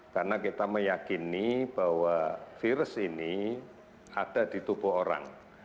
karena kita meyakini bahwa virus ini ada di tubuh orang